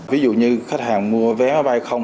ví dụ như khách hàng mua vé máy bay không